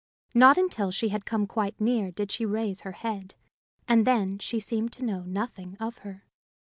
Not until she had come quite near did she raise her head, and then she seemed to know nothing of her.